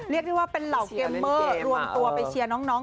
เรียกได้ว่าเป็นเหล่าเกมเมอร์รวมตัวไปเชียร์น้อง